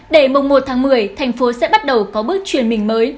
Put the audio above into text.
để mùng một tháng một mươi thành phố sẽ bắt đầu có bước truyền mình mới